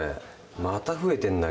また増えてんだけど。